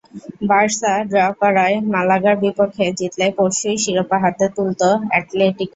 Barca draw করায় মালাগার বিপক্ষে জিতলে পরশুই শিরোপা হাতে তুলত অ্যাটলেটিকো।